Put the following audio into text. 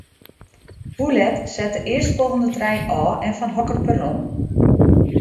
Hoe let set de earstfolgjende trein ôf en fan hokker perron?